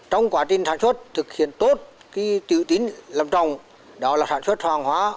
trong quá trình sản xuất thực hiện tốt tự tín làm trồng đó là sản xuất hoàng hóa